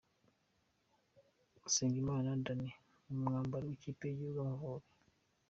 Usengimana Danny mu mwambaro w'ikipe y'igihugu Amavubi.